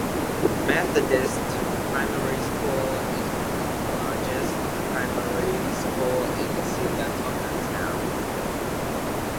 Methodist Primary School is one of the largest primary schools in Sigatoka Town.